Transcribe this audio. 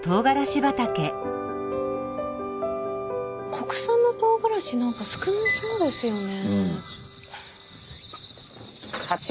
国産のとうがらし何か少なそうですよね。